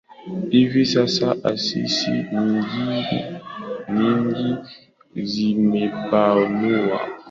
Hivi sasa asasi nyingi zimepanua wigo wa majukumu yao na kushughulikia suala la mazingira